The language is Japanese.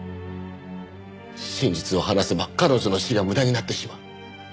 真実を話せば彼女の死が無駄になってしまう。